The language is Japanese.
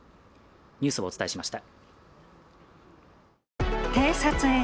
ニュースをお伝えしました。